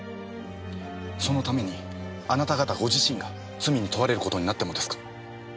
そのためにあなた方ご自身が罪に問われる事になってもですか？